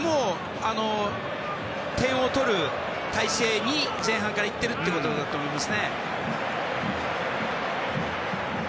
点を取る態勢に前半からいっているということだと思います。